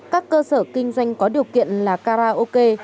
các cơ sở kinh doanh có điều kiện là karaoke